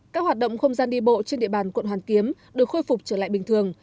các hoạt động không gian đi bộ trên địa bàn quận hoàn kiếm được khôi phục trở lại bình thường